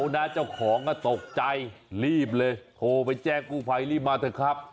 แต่วเวอร์ะตกใจรีบเลยโทรไปแจ้งกุภัยเรียนมาเถอะครับ